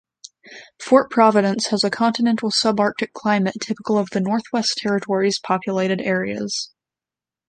Fort Providence has a continental subarctic climate typical of the Northwest Territories' populated areas.